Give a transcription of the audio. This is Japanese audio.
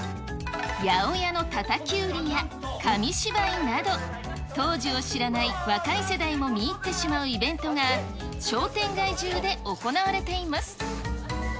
八百屋のたたき売りや紙芝居など、当時を知らない若い世代も見入ってしまうイベントが商店街中で行われています。